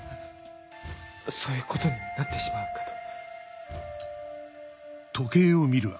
そういうことになってしまうかと。